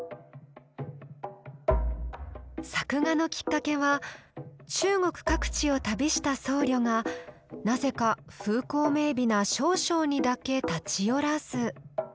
作画のきっかけは中国各地を旅した僧侶がなぜか風光明美な瀟湘にだけ立ち寄らず。